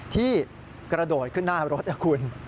ที่กระโดดขึ้นหน้ารถนะคุณ